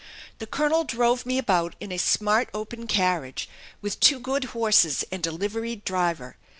The colonel drove me about in a smart open carriage, with two good horses and a liveried driver.